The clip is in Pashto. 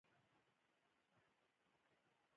ټول په دې هڅه کې و، چې له پله څخه.